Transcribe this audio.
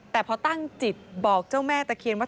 แต่พอตั้งจิตบอกเจ้าแม่ตะเคียนว่า